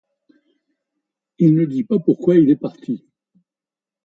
Il ne dit pas pourquoi il est parti.